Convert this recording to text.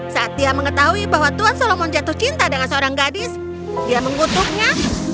saat dia mengetahui bahwa tuan solomon jatuh cinta dengan seorang gadis dia mengutuknya